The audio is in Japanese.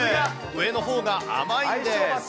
上のほうが甘いんです。